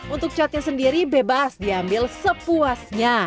untuk catnya sendiri bebas diambil sepuasnya